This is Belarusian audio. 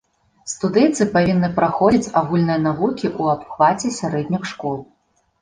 Студыйцы павінны праходзіць агульныя навукі ў абхваце сярэдніх школ.